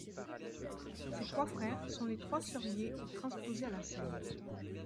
Ces trois frères sont les trois sœurs Ye transposées à la scène.